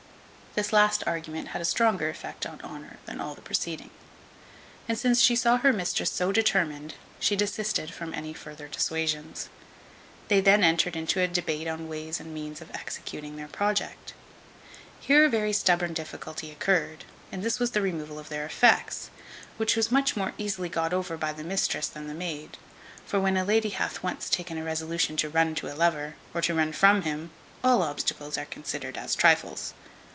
This last argument had a stronger effect on Honour than all the preceding. And since she saw her mistress so determined, she desisted from any further dissuasions. They then entered into a debate on ways and means of executing their project. Here a very stubborn difficulty occurred, and this was the removal of their effects, which was much more easily got over by the mistress than by the maid; for when a lady hath once taken a resolution to run to a lover, or to run from him, all obstacles are considered as trifles.